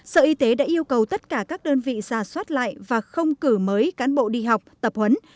sở y tế đã yêu cầu tất cả các đơn vị ra soát lại và không cử mới cán bộ đi học tập huấn